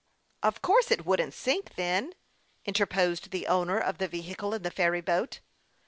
" Of course it wouldn't sink, then," interposed the owner of the vehicle in the ferry boat.